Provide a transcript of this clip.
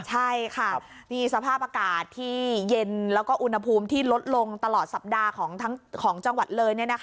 ใช่ค่ะนี่สภาพอากาศที่เย็นแล้วก็อุณหภูมิที่ลดลงตลอดสัปดาห์ของจังหวัดเลย